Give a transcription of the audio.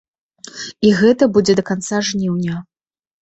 І гэта будзе да канца жніўня.